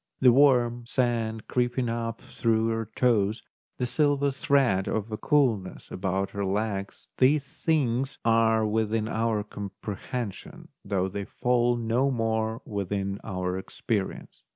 The warm sand creeping up through her toes, the silver thread of coolness about her legs, these things are within our comprehension though they fall no more within our experience.